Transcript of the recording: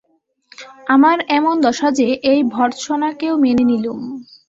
আমার এমন দশা যে, এই ভর্ৎসনাকেও মেনে নিলুম।